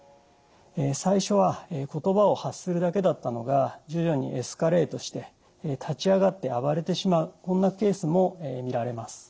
最初は言葉を発するだけだったのが徐々にエスカレートして立ち上がって暴れてしまうこんなケースも見られます。